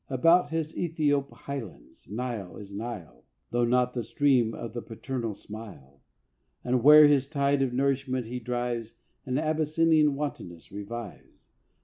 About his AEthiop Highlands Nile is Nile, Though not the stream of the paternal smile: And where his tide of nourishment he drives, An Abyssinian wantonness revives.